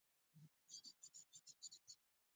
رسمي اسناد ښيي چې کومېنډا ځواکمنه وسیله وه.